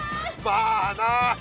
まあな。